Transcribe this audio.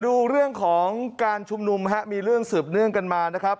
ดูเรื่องของการชุมนุมฮะมีเรื่องสืบเนื่องกันมานะครับ